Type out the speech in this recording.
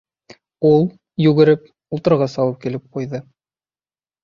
Ул, йүгереп, ултырғыс алып килеп ҡуйҙы: